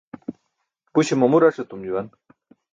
Buśe mamu rac̣ etum juwan.